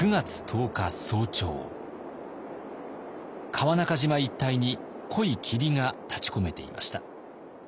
川中島一帯に濃い霧が立ちこめていました。